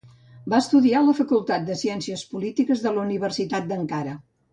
Va estudiar a la facultat de ciències polítiques de la Universitat d'Ankara.